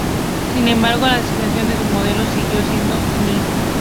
Sin embargo, la designación de sus modelos siguió siendo "MiG".